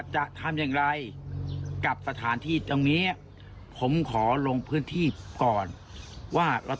จะทำอย่างไรกับสถานที่ตรงนี้ผมขอลงพื้นที่ก่อนว่า